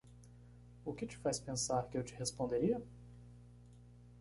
O que te faz pensar que eu te responderia?